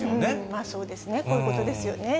まあそうですね、こういうことですよね。